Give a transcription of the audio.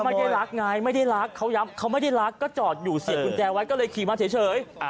ไม่ได้รักไงไม่ได้รักเขาย้ำเขาไม่ได้รักก็จอดอยู่เสียบกุญแจไว้ก็เลยขี่มาเฉย